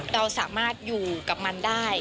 เราสามารถอยู่กับมันได้